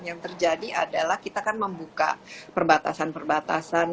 yang terjadi adalah kita kan membuka perbatasan perbatasan